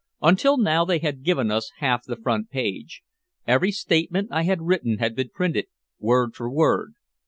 Until now they had given us half the front page. Every statement I had written had been printed word for word.